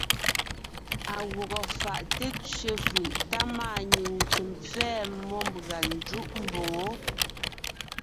À gwɔgɔ fáʼ té tsẅe fʉʼ tá máanyìŋ tsem pfɛ́ɛ mmó mbʉ̀a ńjúʼ mboŋó.